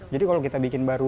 jadi kalau kita bikin baru